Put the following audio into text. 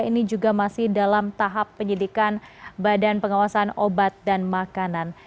ini juga masih dalam tahap penyelidikan badan pengawasan obat dan makanan